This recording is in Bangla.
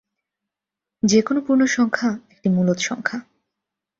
যেকোন পূর্ণ সংখ্যা একটি মূলদ সংখ্যা।